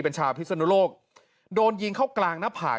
เป็นชาวพิศนุโลกโดนยิงเข้ากลางหน้าผาก